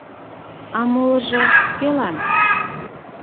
— А молыжо кӧлан?